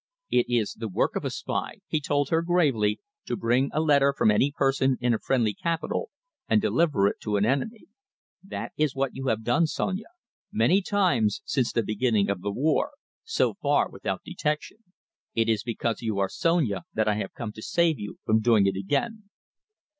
"It is the work of a spy," he told her gravely, "to bring a letter from any person in a friendly capital and deliver it to an enemy. That is what you have done, Sonia, many times since the beginning of the war, so far without detection. It is because you are Sonia that I have come to save you from doing it again."